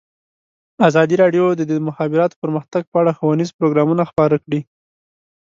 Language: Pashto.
ازادي راډیو د د مخابراتو پرمختګ په اړه ښوونیز پروګرامونه خپاره کړي.